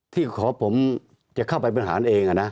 ที่ขอผมจะเข้าไปบริหารเอง